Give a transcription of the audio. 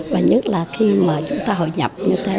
và nhất là khi mà chúng ta hội nhập như thế